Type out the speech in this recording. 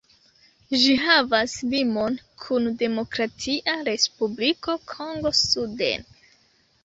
Ĝi havas limon kun Demokratia Respubliko Kongo suden.